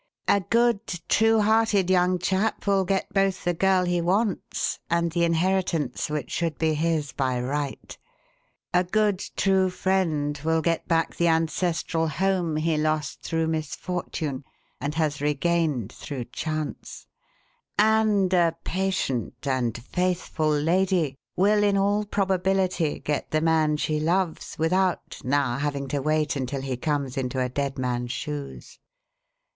A good, true hearted young chap will get both the girl he wants and the inheritance which should be his by right; a good, true friend will get back the ancestral home he lost through misfortune and has regained through chance, and a patient and faithful lady will, in all probability, get the man she loves without now having to wait until he comes into a dead man's shoes.